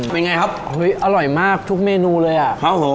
เป็นไงครับเฮ้ยอร่อยมากทุกเมนูเลยอ่ะครับผม